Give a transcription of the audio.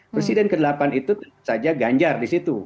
presiden ke delapan itu tentu saja ganjar di situ